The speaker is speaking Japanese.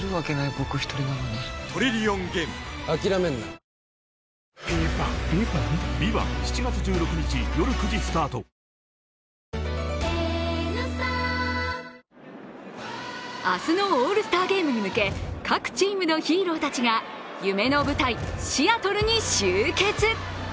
ヒューマンヘルスケアのエーザイ明日のオールスターゲームに向け、各チームのヒーローたちが夢の舞台・シアトルに集結。